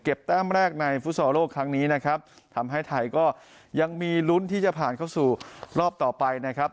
แต้มแรกในฟุตซอลโลกครั้งนี้นะครับทำให้ไทยก็ยังมีลุ้นที่จะผ่านเข้าสู่รอบต่อไปนะครับ